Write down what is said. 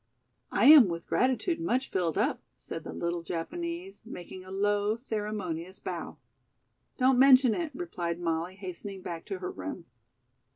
"I am with gratitude much filled up," said the little Japanese, making a low, ceremonious bow. "Don't mention it," replied Molly, hastening back to her room.